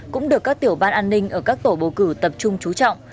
cũng được các tiểu ban an ninh ở các tổ bầu cử tập trung trú trọng